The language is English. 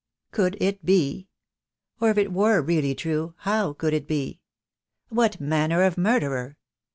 Could it be? Or if it were really true, how could it be? What manner of murderer?